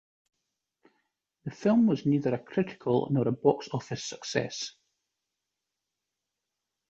The film was neither a critical nor a box office success.